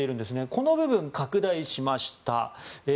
この部分、拡大しました。